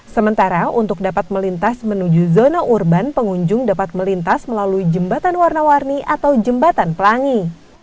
sementara untuk dapat melintas menuju zona urban pengunjung dapat melintas melalui jembatan warna warni atau jembatan pelangi